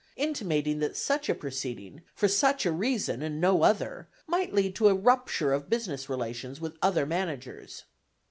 intimating that such a proceeding, for such a reason, and no other, might lead to a rupture of business relations with other managers.